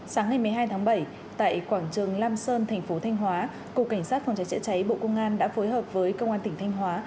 sáng ngày một mươi hai tháng bảy tại quảng trường lam sơn thành phố thanh hóa cục cảnh sát phòng cháy chữa cháy bộ công an đã phối hợp với công an tỉnh thanh hóa